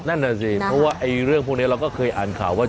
นั่นน่ะสิเพราะว่าเรื่องพวกนี้เราก็เคยอ่านข่าวว่า